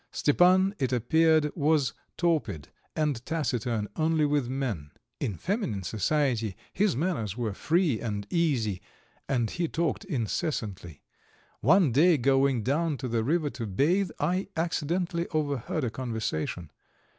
Stepan, it appeared, was torpid and taciturn only with men; in feminine society his manners were free and easy, and he talked incessantly. One day, going down to the river to bathe, I accidentally overheard a conversation.